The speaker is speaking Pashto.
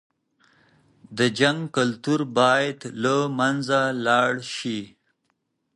د جنګ کلتور بايد له منځه لاړ شي.